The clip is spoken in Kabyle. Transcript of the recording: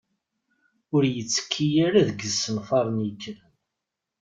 Ur yettekki ara deg yisenfaṛen yekkren.